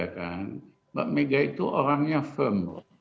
mbak mega itu orangnya firm